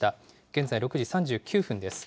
現在６時３９分です。